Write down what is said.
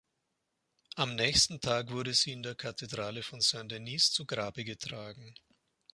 Am nächsten Tag wurde sie in der Kathedrale von Saint-Denis zu Grabe getragen.